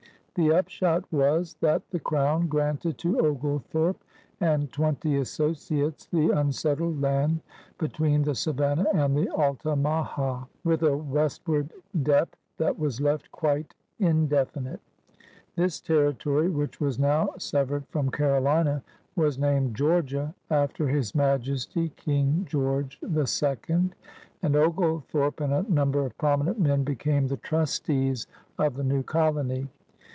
The upshot was that the Crown granted to Oglethorpe and twenty associates the unsettled land betwe^i the Savannah and the Altamaha, with a westward depth that was left quite indefi nite. This territory, which was now severed from Carolina, was named Georgia after his Majesty King George 11, and Oglethorpe and a number of prominent men became the trustees of the new colony.